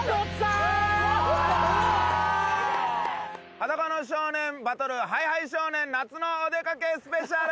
『裸の少年』バトるＨｉＨｉ少年夏のお出かけスペシャル！